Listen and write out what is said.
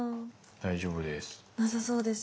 大丈夫です。